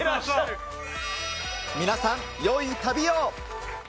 皆さん、よい旅を。